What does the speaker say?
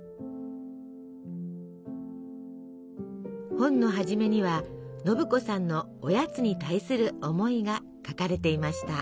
本のはじめには信子さんのおやつに対する思いが書かれていました。